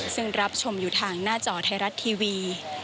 ซึ่งรับชมอยู่ทางหน้าจอไทยรัฐทีวี